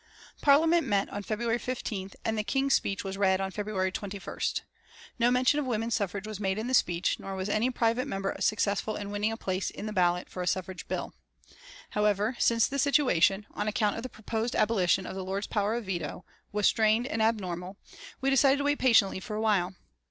Parliament met on February 15th and the King's speech was read on February 21st. No mention of women's suffrage was made in the speech nor was any private member successful in winning a place in the ballot for a suffrage bill. However, since the situation, on account of the proposed abolition of the Lord's power of veto, was strained and abnormal, we decided to wait patiently for a while.